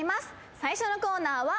最初のコーナーは。